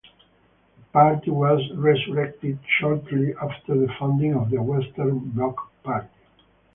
The party was resurrected shortly after the founding of the Western Block Party.